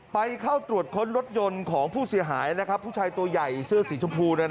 ไปเข้าตรวจค้นรถยนต์ของผู้เสียหายผู้ชายตัวใหญ่เสื้อสีชมพู